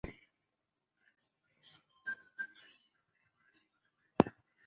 伊塔茹伊皮是巴西巴伊亚州的一个市镇。